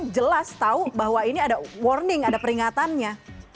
jelas tahu bahwa ini ada warning ada peringatannya